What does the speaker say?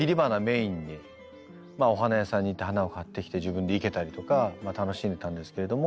お花屋さんに行って花を買ってきて自分で生けたりとか楽しんでたんですけれども。